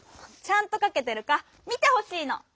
ちゃんとかけてるか見てほしいの！